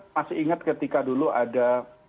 masih ingat ketika dulu ada